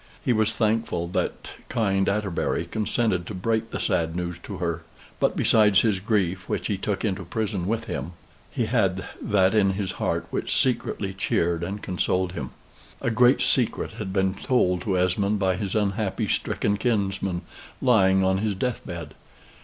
He was thankful that kind Atterbury consented to break the sad news to her; but, besides his grief, which he took into prison with him, he had that in his heart which secretly cheered and consoled him. A great secret had been told to Esmond by his unhappy stricken kinsman, lying on his death bed.